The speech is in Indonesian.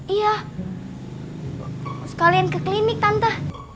iya sekalian ke klinik tante